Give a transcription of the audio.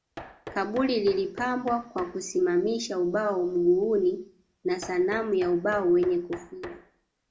Kaburi lilipambwa kwa kusimamisha ubao mguuni na sanamu ya ubao wenye kofia